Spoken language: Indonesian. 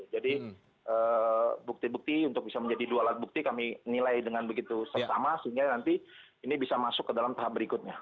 jadi bukti bukti untuk bisa menjadi dua alat bukti kami nilai dengan begitu sesama sehingga nanti ini bisa masuk ke dalam tahap berikutnya